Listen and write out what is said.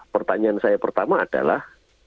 pertanyaan saya pertama adalah